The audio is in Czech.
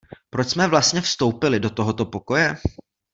Proč jsme vlastně vstoupili do tohoto pokoje?